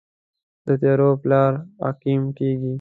د تیارو پلار عقیم کیږي